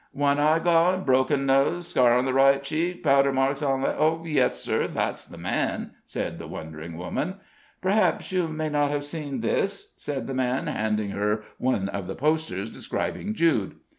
"One eye gone; broken nose; scar on right cheek; powder marks on left " "Yes, sir, that's the man," said the wondering woman. "Perhaps you may not have seen this?" said the man handing her one of the posters describing Jude.